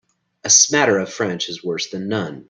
A smatter of French is worse than none.